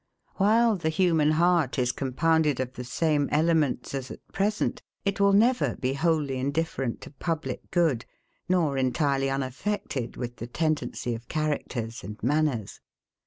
While the human heart is compounded of the same elements as at present, it will never be wholly indifferent to public good, nor entirely unaffected with the tendency of characters and manners.